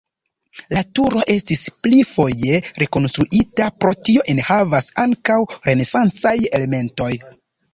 La turo estis pli foje rekonstruita, pro tio enhavas ankaŭ renesancaj elementoj.